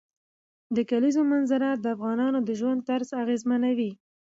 د کلیزو منظره د افغانانو د ژوند طرز اغېزمنوي.